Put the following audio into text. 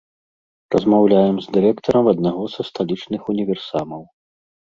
Размаўляем з дырэктарам аднаго са сталічных універсамаў.